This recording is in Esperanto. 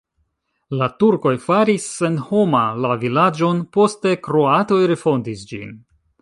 La turkoj faris senhoma la vilaĝon, poste kroatoj refondis ĝin.